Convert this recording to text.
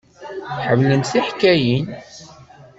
Ḥemmlent tiḥkayin.